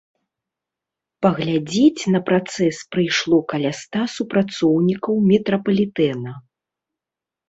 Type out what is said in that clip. Паглядзець на працэс прыйшло каля ста супрацоўнікаў метрапалітэна.